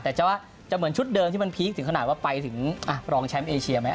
แต่จะว่าจะเหมือนชุดเดิมที่มันพีคถึงขนาดว่าไปถึงรองแชมป์เอเชียไหม